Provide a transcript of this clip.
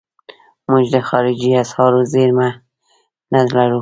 موږ د خارجي اسعارو زیرمې نه لرو.